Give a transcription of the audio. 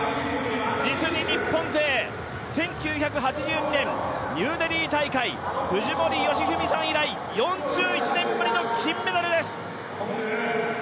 実に日本勢、１９８２年ニューデリー大会以来、４１年ぶりの金メダルです。